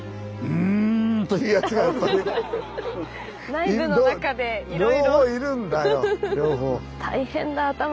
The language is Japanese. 内部の中でいろいろ。